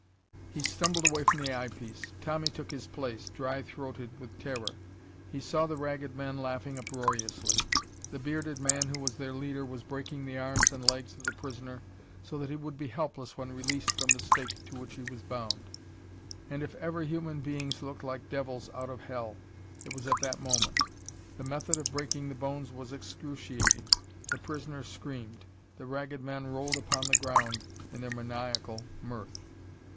He stumbled away from the eye piece. Tommy took his place, dry throated with terror. He saw the Ragged Men laughing uproariously. The bearded man who was their leader was breaking the arms and legs of the prisoner so that he would be helpless when released from the stake to which he was bound. And if ever human beings looked like devils out of hell, it was at that moment. The method of breaking the bones was excruciating. The prisoner screamed. The Ragged Men rolled upon the ground in their maniacal mirth.